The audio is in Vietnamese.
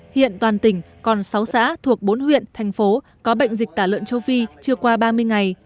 hiện toàn tỉnh còn sáu xã thuộc bốn huyện thành phố có bệnh dịch tả lợn châu phi chưa qua ba mươi ngày